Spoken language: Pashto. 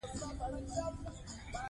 هغوی د دې خاورې ریښتیني اتلان وو.